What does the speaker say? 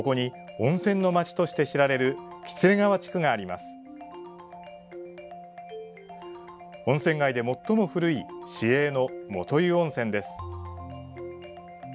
温泉街で最も古い市営の、もとゆ温泉です。